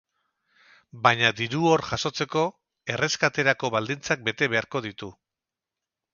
Baina, diru hor jasotzeko, erreskaterako baldintzak bete beharko ditu.